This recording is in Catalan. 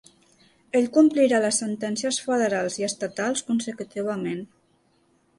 Ell complirà les sentències federals i estatals consecutivament.